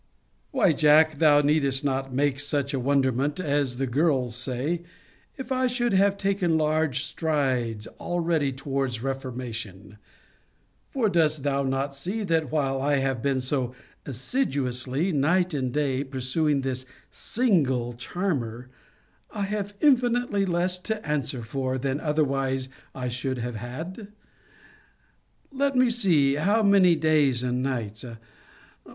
Why, Jack, thou needest not make such a wonderment, as the girls say, if I should have taken large strides already towards reformation: for dost thou not see, that while I have been so assiduously, night and day, pursuing this single charmer, I have infinitely less to answer for, than otherwise I should have had? Let me see, how many days and nights?